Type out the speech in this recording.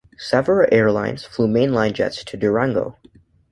Several airlines flew mainline jets to Durango.